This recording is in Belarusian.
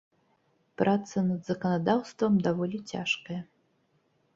Праца над заканадаўствам даволі цяжкая.